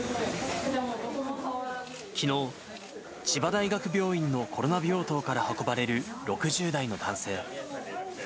きのう、千葉大学病院のコロナ病棟から運ばれる６０代の男性。